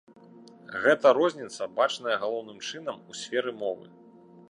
Гэта розніца бачная галоўным чынам у сферы мовы.